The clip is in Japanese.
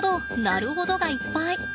なるほどがいっぱい！